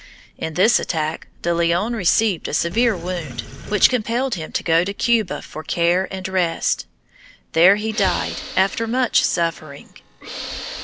In this attack De Leon received a severe wound, which compelled him to go to Cuba for care and rest. There he died after much suffering.